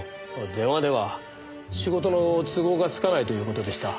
電話では仕事の都合がつかないという事でした。